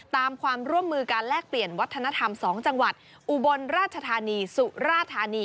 ตามความร่วมมือการแลกเปลี่ยนวัฒนธรรม๒จังหวัดอุบลราชธานีสุราธานี